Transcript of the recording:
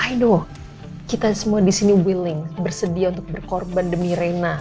i know kita semua di sini willing bersedia untuk berkorban demi reyna